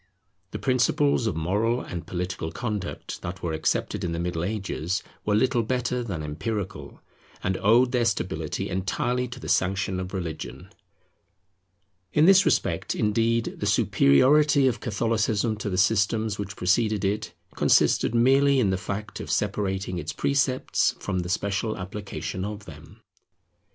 The principles of moral and political conduct that were accepted in the Middle Ages were little better than empirical, and owed their stability entirely to the sanction of religion. In this respect, indeed, the superiority of Catholicism to the systems which preceded it, consisted merely in the fact of separating its precepts from the special application of them.